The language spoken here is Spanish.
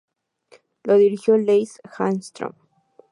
Lo dirigió Lasse Hallström.